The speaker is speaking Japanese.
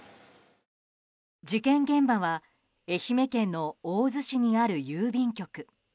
事件現場は愛媛県の大洲市にある郵便局。